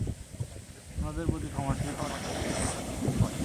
অন্যদের প্রতি ক্ষমাশীল হওয়ার মাধ্যমেই একজন মানুষের আসল ক্ষমতা টের পাওয়া যায়।